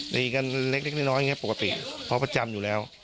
ตีกันเล็กน้อยอย่างนี้ปกติเขาประจำอยู่แล้ว